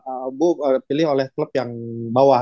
aku pilih oleh klub yang bawah